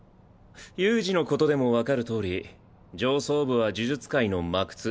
悠仁のことでも分かるとおり上層部は呪術界の魔窟。